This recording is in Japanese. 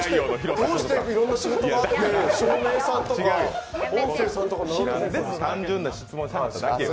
どうしていろんな仕事があって照明さんとか、音声さんとかに単純な質問しはっただけよ。